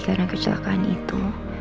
karena kecelakaan itu